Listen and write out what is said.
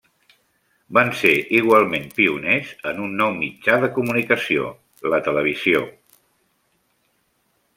Van ser igualment pioners en un nou mitjà de comunicació: la televisió.